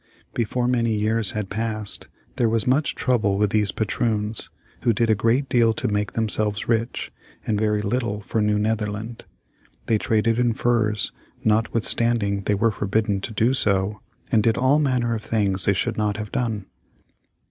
Before many years had passed there was much trouble with these patroons, who did a great deal to make themselves rich, and very little for New Netherland. They traded in furs, notwithstanding they were forbidden to do so, and did all manner of things they should not have done.